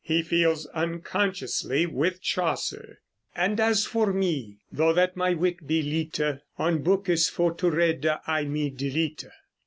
He feels unconsciously with Chaucer: And as for me, though that my wit be lytë, On bookës for to rede I me delytë.